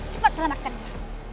cepat selamatkan dia